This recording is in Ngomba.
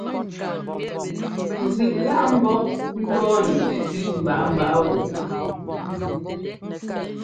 Zʉꞌ lá ḿbɔ́ ńtɔ́ɔnɛ sʉsʉ mbaꞌámbaꞌá wɔ.